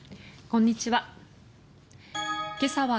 こんにちは。